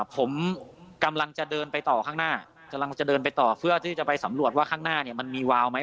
ผมกำลังจะเดินไปต่อข้างหน้าเพื่อที่จะไปสำรวจว่าข้างหน้ามันมีวาวไหม